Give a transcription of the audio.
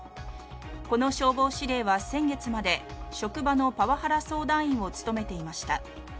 この消防司令は先月まで職場のパワハラ相談員を務めていました。